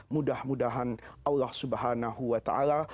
mudah mudahan allah subhanahu wa ta'ala